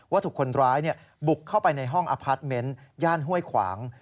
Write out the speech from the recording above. ถูกคนร้ายบุกเข้าไปในห้องอพาร์ทเมนต์ย่านห้วยขวาง